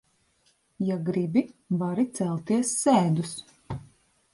Ja gribi, vari celties sēdus.